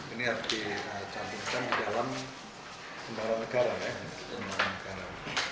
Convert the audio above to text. ini harus dicantumkan di dalam kembaran negara